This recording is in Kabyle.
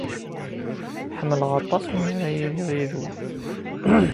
Ḥemmleɣ aṭas mi ara iliɣ yid-wen.